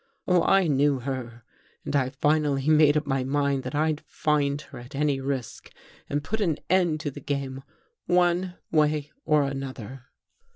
Oh, I knew her! And I finally made up my mind that I'd find her at any risk and put an end to the game one way or another.